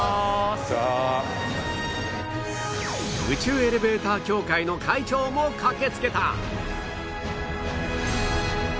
宇宙エレベーター協会の会長も駆けつけた